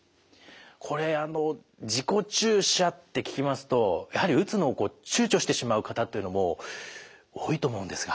これあの自己注射って聞きますとやはり打つのを躊躇してしまう方っていうのも多いと思うんですが。